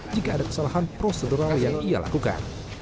jika ada kesalahan prosedural yang ia lakukan